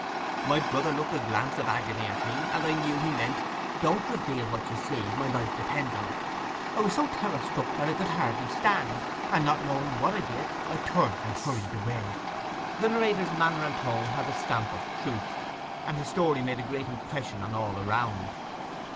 My brother looked a glance of agony at me, and I knew he meant, "Don't reveal what you see; my life depends on it." I was so terror struck that I could hardly stand, and, not knowing what I did, I turned and hurried away.' The narrator's manner and tone had the stamp of truth, and his story made a great impression on all around.